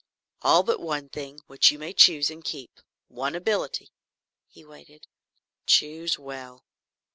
"All but one thing which you may choose and keep one ability." He waited. "Choose well."